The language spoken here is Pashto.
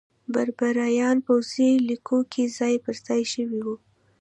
بربریان پوځي لیکو کې ځای پرځای شوي وو.